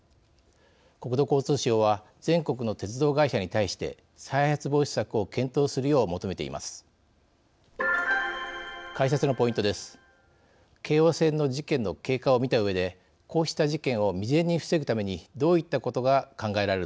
国土交通省は全国の鉄道会社に対して再発防止策を検討するよう求めています。